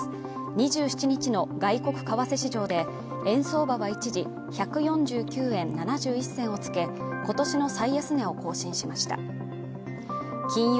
２７日の外国為替市場で円相場は一時１４９円７１銭を付け今年の最安値を更新しました金融